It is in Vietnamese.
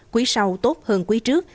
quý sau tốt hơn quý trước